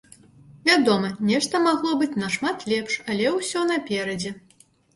Вядома, нешта магло быць нашмат лепш, але ўсё наперадзе!